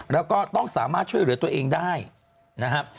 แล้วก็ต้องสามารถช่วยเหลือตัวเองได้นะครับ